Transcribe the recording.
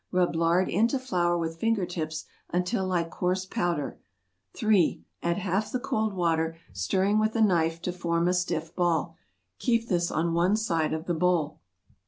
Rub lard into flour with finger tips until like coarse powder. 3. Add half the cold water, stirring with a knife to form a stiff ball. Keep this on one side of the bowl.